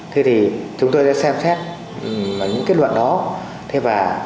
thì chúng tôi giả soát lại